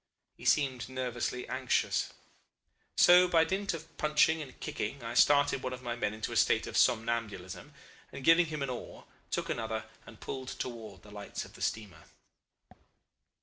He seemed nervously anxious. So by dint of punching and kicking I started one of my men into a state of somnambulism, and giving him an oar, took another and pulled towards the lights of the steamer.